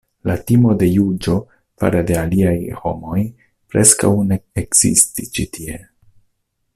La timo de juĝo fare de aliaj homoj preskaŭ ne ekzistis ĉi tie.